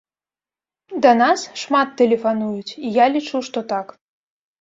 Да нас шмат тэлефануюць, і я лічу, што так.